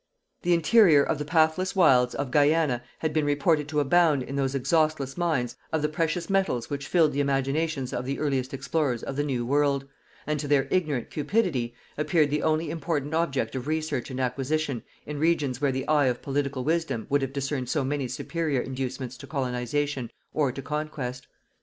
The interior of the pathless wilds of Guiana had been reported to abound in those exhaustless mines of the precious metals which filled the imaginations of the earliest explorers of the New World, and, to their ignorant cupidity, appeared the only important object of research and acquisition in regions where the eye of political wisdom would have discerned so many superior inducements to colonization or to conquest.